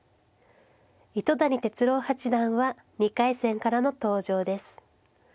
糸谷哲郎八段は２回戦からの登場です。